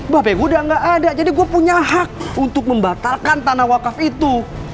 babek gue udah nggak ada jadi gue punya hak untuk membatalkan tanah wakaf itu